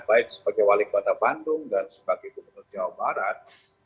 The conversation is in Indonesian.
baik sebagai wali kota bandung dan sebagai gubernur jawa barat